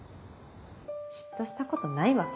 嫉妬したことないわけ？